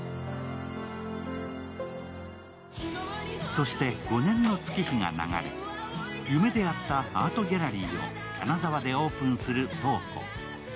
そして５年の月日が流れ、夢で会っアートギャラリーを金沢でオープンする瞳子。